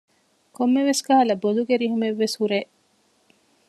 ކޮންމެވެސް ކަހަލަ ބޮލުގެ ރިހުމެއްވެސް ހުރޭ